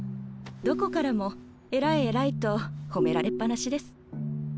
どこからも偉い偉いと褒められっぱなしです。